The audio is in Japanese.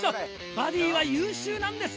「バディは優秀なんです」と。